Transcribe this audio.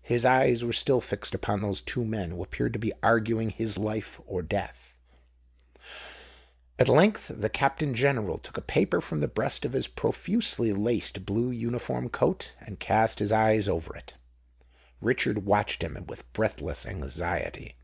His eyes were still fixed upon those two men who appeared to be arguing his life or death. At length the Captain General took a paper from the breast of his profusely laced blue uniform coat, and cast his eyes over it. Richard watched him with breathless anxiety.